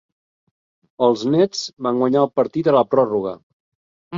Els Nets van guanyar el partit a la pròrroga.